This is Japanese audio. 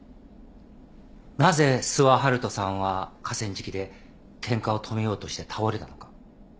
なぜ諏訪遙人さんは河川敷でケンカを止めようとして倒れたのか。